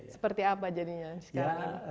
seperti apa jadinya sekarang ini